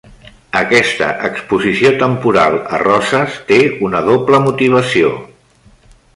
Aquesta exposició temporal a Roses té una doble motivació.